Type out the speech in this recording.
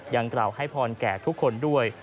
ยังกล่าวให้พรแก่ทุกคนด้วย